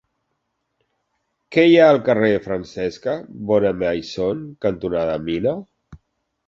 Què hi ha al carrer Francesca Bonnemaison cantonada Mina?